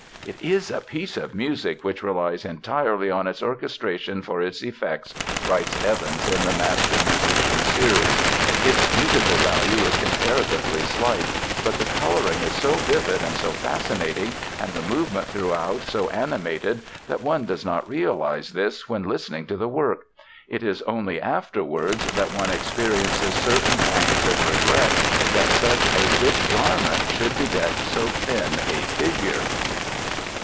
"It is a piece of music which relies entirely on its orchestration for its effects," writes Evans in the Master Musicians Series. "Its musical value is comparatively slight, but the coloring is so vivid and so fascinating, and the movement throughout so animated, that one does not realize this when listening to the work. It is only afterwards that one experiences certain pangs of regret that such a rich garment should bedeck so thin a figure."